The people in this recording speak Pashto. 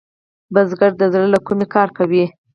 بزګر د زړۀ له کومي کار کوي